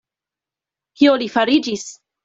Kio li fariĝis?